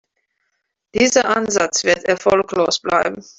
Dieser Ansatz wird erfolglos bleiben.